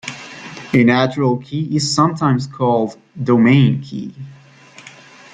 A natural key is sometimes called "domain key".